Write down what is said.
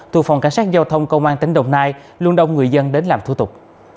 thuộc phòng cảnh sát giao thông công an tỉnh đồng nai luôn đông người dân đến làm thủ tục